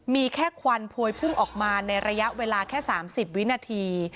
มีแค่ควันโพยพุ่งออกมาในระยะเวลาแค่๓๐วินาที